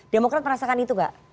demokrat merasakan itu gak